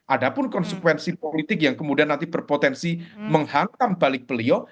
ada pun konsekuensi politik yang kemudian nanti berpotensi menghantam balik beliau